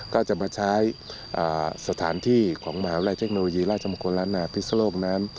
ก็จะมาใช้สถานที่ของมหาวิทยาลัยเทคโนโลยีราชมงคลล้านนาพิศโลกนั้น